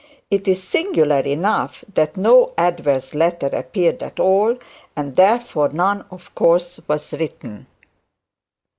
It is singular enough that no adverse letter appeared at all, and, therefore, none of course was written.